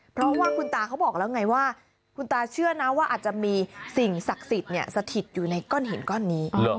เพราะว่าคุณตาเขาบอกแล้วไงว่าคุณตาเชื่อนะว่าอาจจะมีสิ่งศักดิ์สิทธิ์สถิตอยู่ในก้อนหินก้อนนี้